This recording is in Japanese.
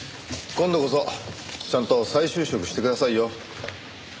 今度こそちゃんと再就職してくださいよ。